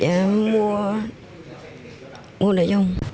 dạ mua mua đầy dùng